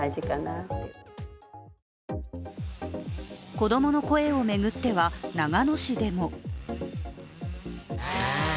子供の声を巡っては長野市でも。